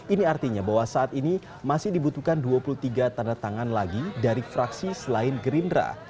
ini artinya bahwa saat ini masih dibutuhkan dua puluh tiga tanda tangan lagi dari fraksi selain gerindra